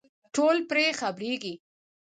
ټول پرې خبرېږي.